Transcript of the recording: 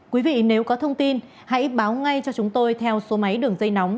quý vị nếu có thông tin hãy báo ngay cho chúng tôi theo số máy đường dây nóng